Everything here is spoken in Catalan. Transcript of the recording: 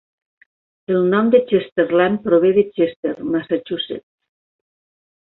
El nom de Chesterland prové de Chester, Massachusetts.